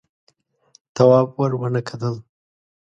تواب ور ونه کتل.